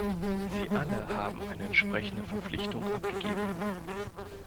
Sie alle haben eine entsprechende Verpflichtung abgegeben.